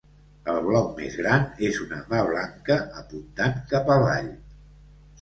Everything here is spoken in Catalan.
El bloc més gran és una mà blanca apuntant cap avall.